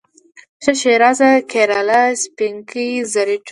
ښه ښېرازه کیراله، سپینکۍ زربټ و